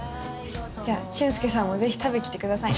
じゃあシュンスケさんもぜひ食べに来てくださいね。